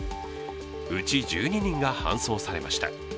うち１２人が搬送されました。